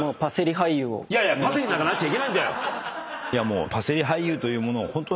いやいやパセリなんかなっちゃいけないんだよ！